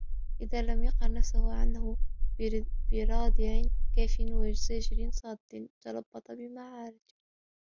إذَا لَمْ يَقْهَرْ نَفْسَهُ عَنْهُ بِرَادِعٍ كَافٍ وَزَاجِرٍ صَادٍّ تَلَبَّطَ بِمَعَارِّهِ